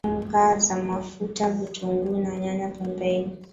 Kaanga kwa mafuta vitunguu na nyanya pembeni